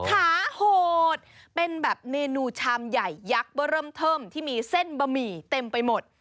ขาโหดเป็นแบบเมนูชามใหญ่ยักษ์เบอร์เริ่มเทิมที่มีเส้นบะหมี่เต็มไปหมด